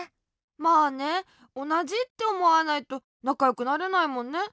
まあねおなじっておもわないとなかよくなれないもんね。